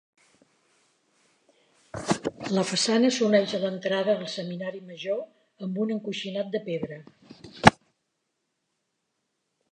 La façana s'uneix a l'entrada al seminari Major amb un encoixinat de pedra.